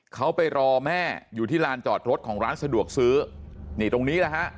เขาไปรอแม่อยู่ที่ลานจอดรถของร้านสะดวกซื้อนี่ตรงนี้แหละฮะ